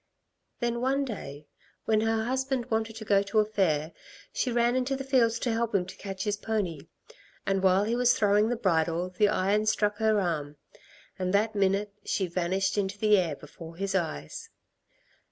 Then one day when her husband wanted to go to a fair, she ran into the fields to help him to catch his pony. And while he was throwing the bridle, the iron struck her arm and that minute she vanished into the air before his eyes."